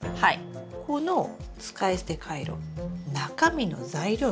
この使い捨てカイロ中身の材料見て。